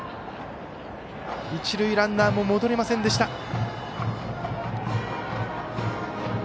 一塁ランナーも戻れませんでした。